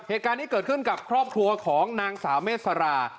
เหตุการณ์นี้เกิดขึ้นกับครอบครัวของนางสาวเมษรา